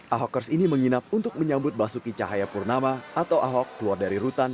ahokers ini menginap untuk menyambut basuki cahayapurnama atau ahok keluar dari rutan